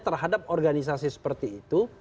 terhadap organisasi seperti itu